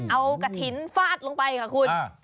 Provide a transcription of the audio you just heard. เอากระถิ่นฟาดลงไปค่ะคุณ